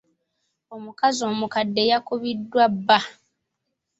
Omukazi omukadde yakubiddwa bba.